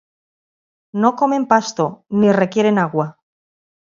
No comen pasto, ni requieren agua.